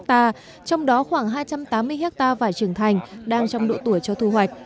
trong đó khoảng hai trăm tám mươi hectare vải trưởng thành đang trong độ tuổi cho thu hoạch